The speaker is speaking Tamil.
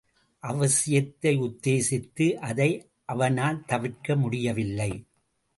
அவசியத்தை உத்தேசித்து அதை அவனால் தவிர்க்க முடியவில்லை.